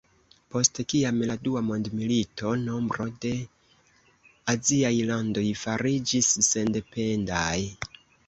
Post kiam la dua mondmilito, nombro de aziaj landoj fariĝis sendependaj.